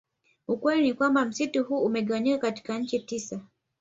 Ukweli ni kwamba msitu huu umegawanyika katika nchi tisa